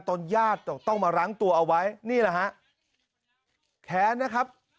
ญาติต้องมารั้งตัวเอาไว้นี่แหละฮะแค้นนะครับ